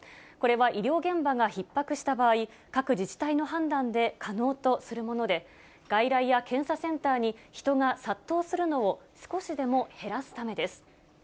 これは医療現場がひっ迫した場合、各自治体の判断で可能とするもので、外来や検査センターに人が殺到するのを少しでも減らすためです。